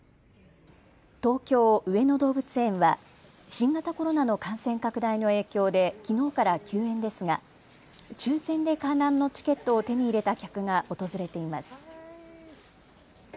東京上野動物園は新型コロナの感染拡大の影響できのうから休園ですが抽せんで観覧のチケットを手に入れた客が訪れています。